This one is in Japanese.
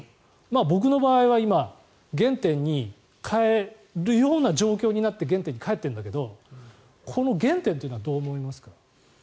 僕の場合は今原点に返るような状況になって原点に返ってるんだけどこの原点というのはどう思いますか？